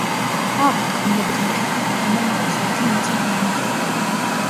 აქ, თქმულების მიხედვით, თამარ მეფის ერთი ნაწნავი ინახებოდა.